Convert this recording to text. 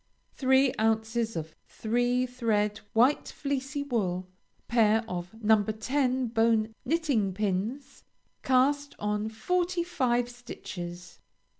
Three ounces of Three thread White Fleecy Wool. Pair of No. 10 Bone Knitting Pins. Cast on forty five stitches.